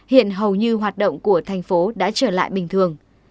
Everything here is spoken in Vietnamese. hiện hầu như hoạt động của thành phố đã trở lại bình thường